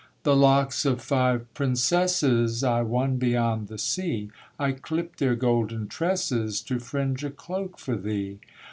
'The locks of five princesses I won beyond the sea; I clipt their golden tresses, To fringe a cloak for thee.